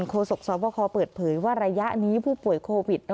โคศกศาสตร์ประคอเปิดเผยว่าระยะนี้ผู้ป่วยโควิด